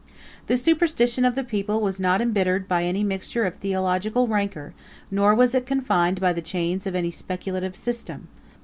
The superstition of the people was not imbittered by any mixture of theological rancor; nor was it confined by the chains of any speculative system.